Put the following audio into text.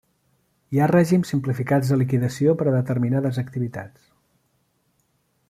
Hi ha règims simplificats de liquidació per a determinades activitats.